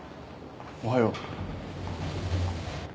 おはよう。